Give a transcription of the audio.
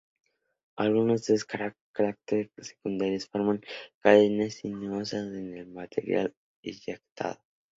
Algunos de estos cráteres secundarios forman cadenas sinuosas en el material eyectado.